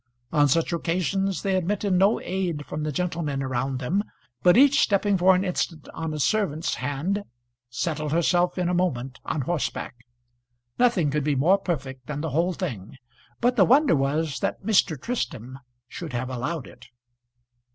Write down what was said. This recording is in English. On such occasions they admitted no aid from the gentlemen around them, but each stepping for an instant on a servant's hand, settled herself in a moment on horseback. Nothing could be more perfect than the whole thing, but the wonder was that Mr. Tristram should have allowed it.